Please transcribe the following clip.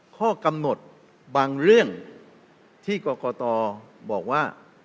ข้อกำหนดบางเรื่องที่กรกตบอกว่า